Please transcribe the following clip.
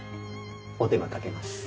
お手間かけます。